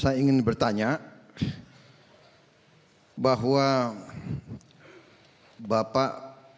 saya ingin bertanya bahwa bapak